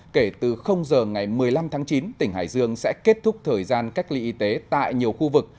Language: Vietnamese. kể từ giờ ngày một mươi năm tháng chín tỉnh hải dương sẽ kết thúc thời gian cách ly y tế tại nhiều khu vực